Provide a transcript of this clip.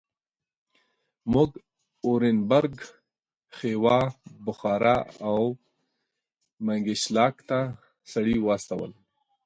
موږ اورینبرګ، خیوا، بخارا او منګیشلاک ته سړي واستول.